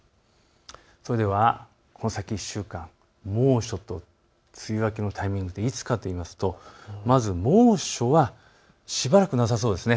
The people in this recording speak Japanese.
それではこの先１週間、猛暑と梅雨明けのタイミングがいつかといいますとまず猛暑はしばらくなさそうです。